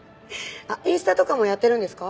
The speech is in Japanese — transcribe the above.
インスタとかもやってるんですか？